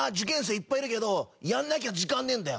いっぱいいるけどやんなきゃ時間ねえんだよ。